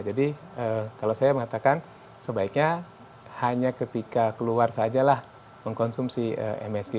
jadi kalau saya mengatakan sebaiknya hanya ketika keluar sajalah mengkonsumsi msg